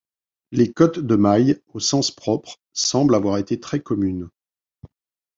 Les cottes de mailles, au sens propre, semblent avoir été très communes.